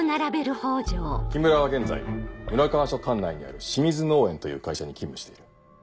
木村は現在村川署管内にある清水農園という会社に勤務している。